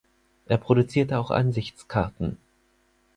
Er produzierte auch Ansichtskarten.